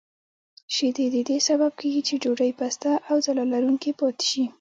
شیدې د دې سبب کېږي چې ډوډۍ پسته او ځلا لرونکې پاتې شي.